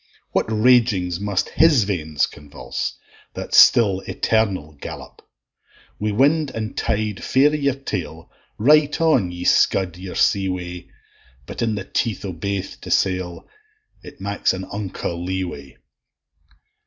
What ragings must his veins convulse, That still eternal gallop! Wi' wind and tide fair i' your tail, Right on ye scud your sea way; But in the teeth o' baith to sail, It maks a unco lee way.